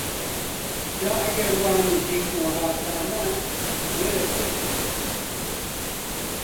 جا ئەگەر وا نزیک و هاسانە وەرە پێشمان کەوە!